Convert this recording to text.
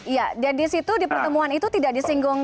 ya dan disitu di pertemuan itu tidak disinggung